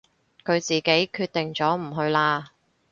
佢自己決定咗唔去啦